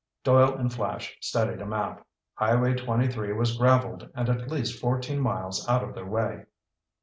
Doyle and Flash studied a map. Highway 23 was graveled and at least fourteen miles out of their way.